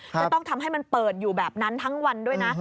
จะต้องทำให้มันเปิดอยู่แบบนั้นทั้งวันด้วยนะ